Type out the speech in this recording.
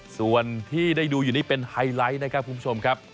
ส่วนที่ได้ดูอยู่นี่เป็นไฮไลท์นะครับคุณผู้ชมครับ